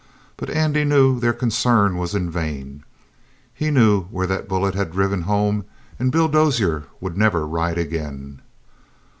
But Andy knew their concern was in vain. He knew where that bullet had driven home, and Bill Dozier would never ride again.